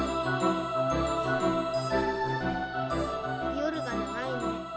夜が長いね。